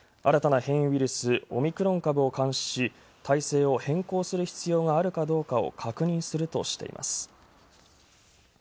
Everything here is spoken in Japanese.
新たな変異ウイルス「オミクロン株」を監視し、態勢を変更する必要があるかどうかを確認するとしています。